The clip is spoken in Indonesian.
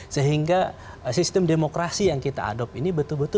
sehingga sistem demokrasi yang kita adopt ini betul betul tidak berguna